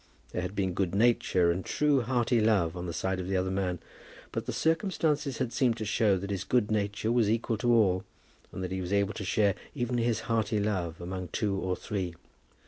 There had been good nature and true hearty love on the side of the other man; but circumstances had seemed to show that his good nature was equal to all, and that he was able to share even his hearty love among two or three.